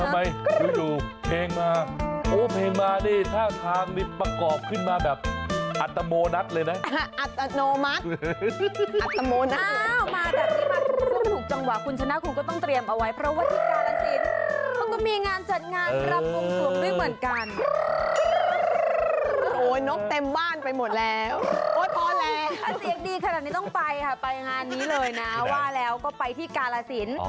พูดอยู่นี่ก็มีเพลงนะครับ